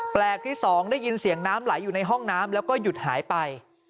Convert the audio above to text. ที่สองได้ยินเสียงน้ำไหลอยู่ในห้องน้ำแล้วก็หยุดหายไป